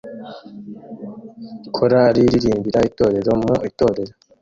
Korali iririmbira itorero mu itorero